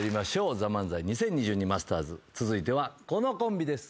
『ＴＨＥＭＡＮＺＡＩ２０２２マスターズ』続いてはこのコンビです。